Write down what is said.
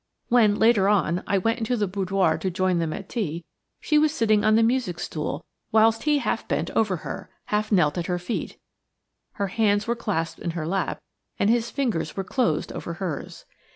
When, later on, I went into the boudoir to join them at tea, she was sitting on the music stool whilst he half bent over her, half knelt at her feet; her hands were clasped in her lap, and his fingers were closed over hers.